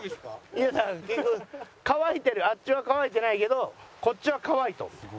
いやだから結局乾いてるあっちは乾いてないけどこっちは乾いとんの。